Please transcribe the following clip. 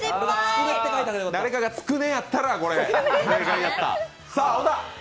誰かがつくねやったら正解やった。